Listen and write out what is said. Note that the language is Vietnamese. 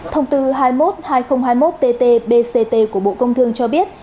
thông tư hai mươi một hai nghìn hai mươi một tt bct của bộ công thương cho biết